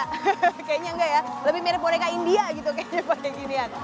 hahaha kayaknya enggak ya lebih mirip boneka india gitu kayaknya pakai ginian